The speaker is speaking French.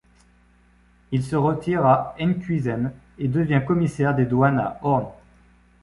Il se retire à Enkhuizen et devient commissaire des douanes à Hoorn.